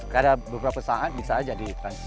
kalau beberapa saat bisa saja di pause